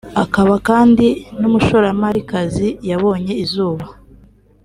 akaba kandi n’umushoramarikazi yabonye izuba